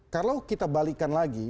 kalau kita balikan lagi